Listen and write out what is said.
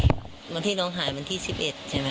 วันที่น้องหายวันที่๑๑ใช่ไหม